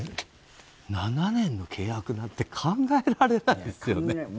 ７年の契約って考えられないですよね。